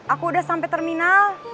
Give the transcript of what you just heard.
aku udah sampe terminal